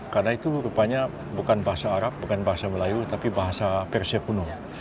karena itu rupanya bukan bahasa arab bukan bahasa melayu tapi bahasa persia kuno